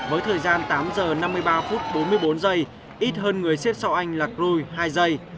với thời gian tám giờ năm mươi ba phút bốn mươi bốn giây ít hơn người xếp sau anh là crui hai giây